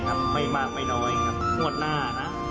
ไม่มากไม่น้อยโหดหน้าน่ะ